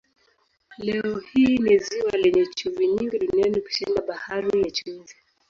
Leo hii ni ziwa lenye chumvi nyingi duniani kushinda Bahari ya Chumvi.